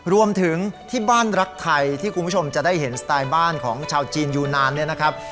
รวมถึงที่บ้านรักไทยที่คุณผู้ชมจะได้เห็นสไตล์บ้านของชาวจีนยูนานเนี่ยนะครับ